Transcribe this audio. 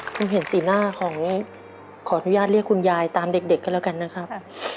ผมเห็นสีหน้าของขออนุญาตเรียกคุณยายตามเด็กกันแล้วกันนะครับ